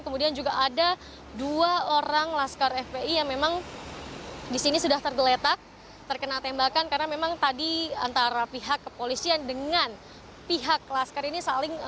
kemudian juga ada dua orang laskar fpi yang memang disini sudah tergeletak terkena tembakan karena memang tadi antara pihak kepolisian dengan pihak laskar ini saling